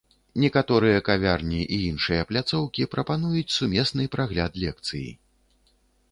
Некаторыя кавярні і іншыя пляцоўкі прапануюць сумесны прагляд лекцыі.